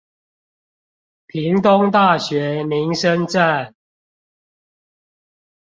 屏東大學民生站